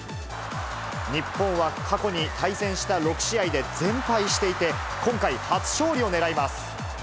日本は過去に対戦した６試合で全敗していて、今回、初勝利をねらいます。